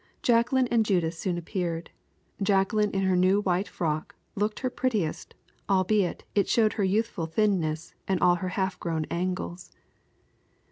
Jacqueline and Judith soon appeared. Jacqueline, in her new white frock, looked her prettiest, albeit it showed her youthful thinness and all her half grown angles.